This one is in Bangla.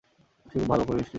সে খুবই ভালো, খুবই মিষ্টি।